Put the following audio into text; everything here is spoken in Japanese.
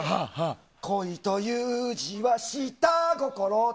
恋という字は下心。